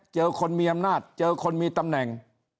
เจอคนมีอำนาจเจอคนมีตำแหน่ง